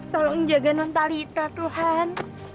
tolong jaga mentalitas tuhan